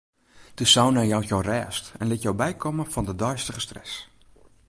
De sauna jout jo rêst en lit jo bykomme fan de deistige stress.